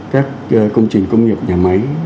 các công trình công nghiệp nhà máy